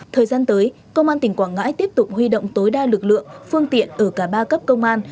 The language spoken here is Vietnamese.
thời gian tới công an tỉnh quảng ngãi tiếp tục huy động tối đa lực lượng phương tiện ở cả ba cấp công an